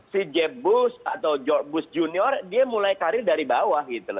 si jab bush atau george bush junior dia mulai karir dari bawah gitu loh